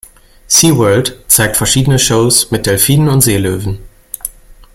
Sea World zeigt verschiedene Shows mit Delphinen und Seelöwen.